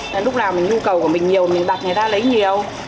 nên lúc nào mình nhu cầu của mình nhiều mình đặt người ta lấy nhiều